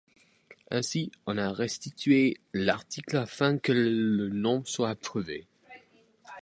Ainsi, on a restitué l'article afin que le nom soit approuvé.